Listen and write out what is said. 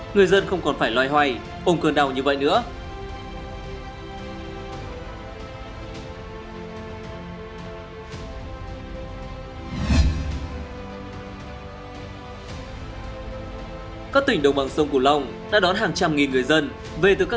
người dân không còn phải loay hoay ôm cơn đau như vậy nữa